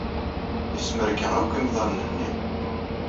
Yesmerna akk imḍanen-nni.